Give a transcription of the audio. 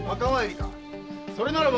それならば。